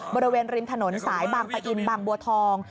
บริเวณริมถนนสายบางปะอินบางบัวทอง